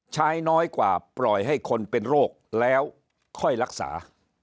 ใช้น้อยกว่าปล่อยให้คนเป็นโรคแล้วค่อยรักษา